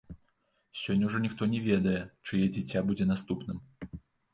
Сёння ўжо ніхто не ведае, чые дзіця будзе наступным.